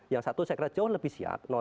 yang satu saya kira jauh lebih siap